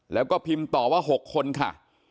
แล้วก็พิมพ์ต่อว่า๖คนค่ะ